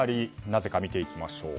なぜか見ていきましょう。